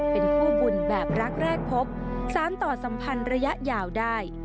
เป็นคู่บุญแบบรักแรกพบสารต่อสัมพันธ์ระยะยาวได้